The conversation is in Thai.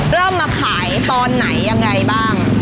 เริ่มมาขายตอนไหนยังไงบ้าง